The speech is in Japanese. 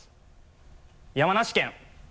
山梨県！